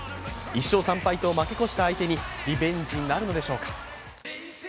１勝３敗と負け越した相手に、リベンジなるのでしょうか？